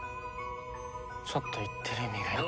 ちょっと言ってる意味がよく。